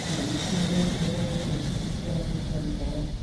پېړۍ پېړۍ وشوې چې موږ همداسې ژوند کوو.